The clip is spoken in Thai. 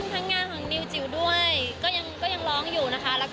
ทั้งงานของนิวจิ๋วด้วยก็ยังร้องอยู่นะคะ